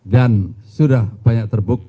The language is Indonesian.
dan sudah banyak terbukti